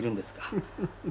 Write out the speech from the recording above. ウフフフ。